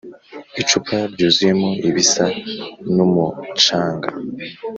icupa ryuzuyemo ibisa n'umucanga.